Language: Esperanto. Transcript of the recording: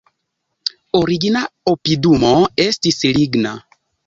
Origina opidumo estis ligna.